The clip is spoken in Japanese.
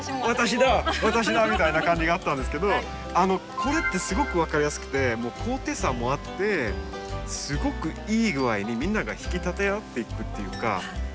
「私だ」みたいな感じがあったんですけどこれってすごく分かりやすくて高低差もあってすごくいい具合にみんなが引き立て合っていくっていうか。